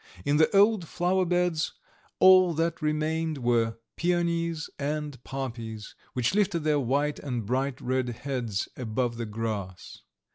In the old flower beds all that remained were peonies and poppies, which lifted their white and bright red heads above the grass.